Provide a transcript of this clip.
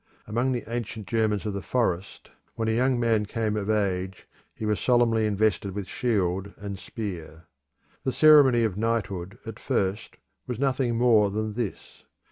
Among the ancient Germans of the forest, when a young man came of age, he was solemnly invested with shield and spear. The ceremony of knighthood at first was nothing more than this.